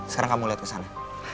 sekarang kamu lihat kesana